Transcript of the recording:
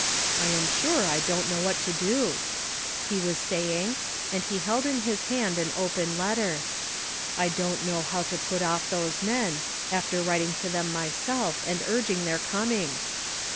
" I am sure I don't know what to do !" he was saying, and he held in his hand an open letter ; "1 don't know how to put off those men, after writing to them myself, and urging their coming."